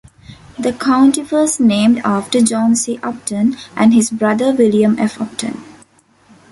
The county was named after John C. Upton and his brother William F. Upton.